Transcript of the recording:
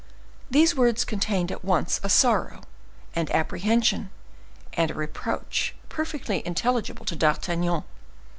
These words contained at once a sorrow, and apprehension, and a reproach perfectly intelligible to D'Artagnan.